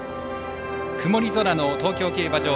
曇り空の東京競馬場。